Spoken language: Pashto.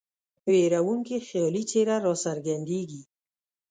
ویرونکې خیالي څېره را څرګندیږي.